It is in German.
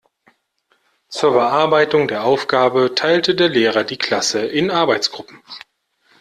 Zur Bearbeitung der Aufgabe teilte der Lehrer die Klasse in Arbeitsgruppen.